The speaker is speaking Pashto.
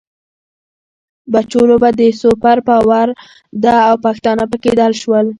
بچو! لوبه د سوپر پاور ده او پښتانه پکې دل شول.